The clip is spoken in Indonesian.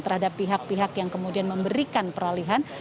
terhadap pihak pihak yang kemudian memberikan peralihan